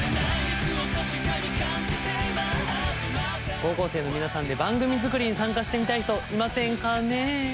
高校生の皆さんで番組作りに参加してみたい人いませんかねえ？